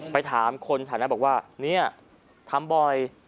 ไปถามคนแถวนั้นบอกว่าเนี่ยทำบ่อย